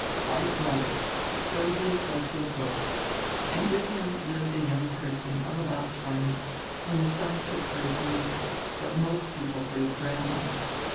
"Quite right. So he is said to have looked. And widi him lived a young person of about twenty, whom some took for his niece, but most people for his grand daughter.